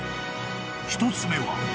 ［１つ目は］